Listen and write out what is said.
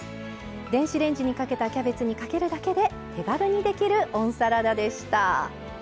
電子レンジにかけたキャベツにかけるだけで手軽にできる温サラダでした。